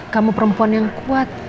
kamu perempuan yang kuat